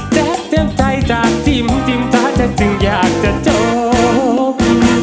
แจ๊บเต็มใจจากจิ้มจิ้มจ้าจัดจึงอยากจะจบ